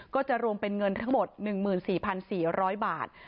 ก็จะรวมเป็นเงินทั้งหมด๑๔๔๐๐บาท